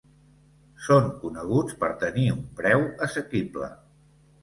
Són coneguts per tenir un preu assequible.